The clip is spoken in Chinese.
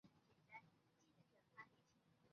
唐朝贞观十七年。